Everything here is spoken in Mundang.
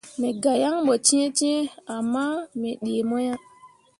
Me gah yaŋ ɓo cẽecẽe ama me ɗii mo ah.